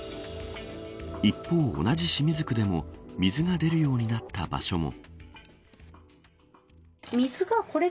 一方、同じ清水区でも水が出るようになった場所も。